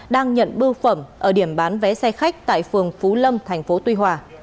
đang nhận bưu phẩm ở điểm bán vé xe khách tại phường phú lâm thành phố tuy hòa